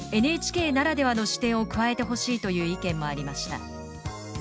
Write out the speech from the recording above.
ＮＨＫならではの視点を加えてほしい」という意見もありました。